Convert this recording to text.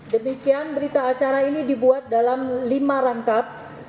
demikian berita acara ini dibuat dalam lima rangkap